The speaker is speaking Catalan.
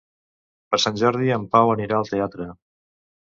Per Sant Jordi en Pau anirà al teatre.